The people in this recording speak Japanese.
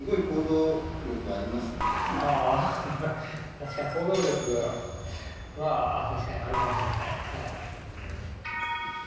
確かに行動力はあるかもしれない。